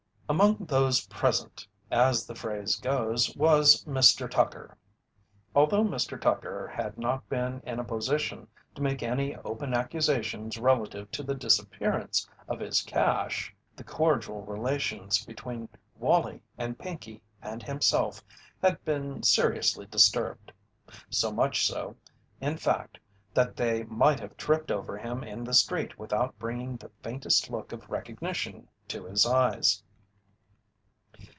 "Among those present," as the phrase goes, was Mr. Tucker. Although Mr. Tucker had not been in a position to make any open accusations relative to the disappearance of his cache, the cordial relations between Wallie and Pinkey and himself had been seriously disturbed. So much so, in fact, that they might have tripped over him in the street without bringing the faintest look of recognition to his eyes.